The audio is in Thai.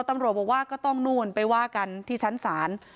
ตำรวจบอกว่าก็ต้องนู่นไปว่ากันที่ชั้นศาล